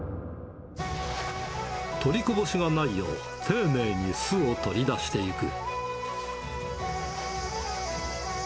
取りこぼしのないよう、丁寧に巣を取り出していく。